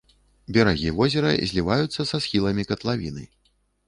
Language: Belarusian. Берагі возера зліваюцца са схіламі катлавіны.